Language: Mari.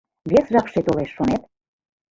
— Вес жапше толеш, шонет?